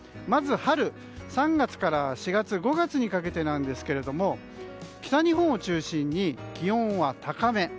まず春、３月から４月、５月にかけてですが北日本を中心に気温は高め。